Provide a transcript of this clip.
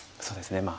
そうですね。